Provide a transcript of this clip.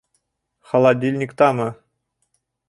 Холодильниктамы?